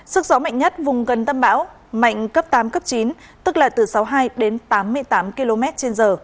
sức gió mạnh nhất vùng gần tâm bão mạnh cấp tám cấp chín tức là từ sáu mươi hai đến tám mươi tám km trên giờ